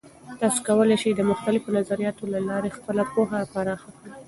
تاسې کولای سئ د مختلفو نظریاتو له لارې خپله پوهه پراخه کړئ.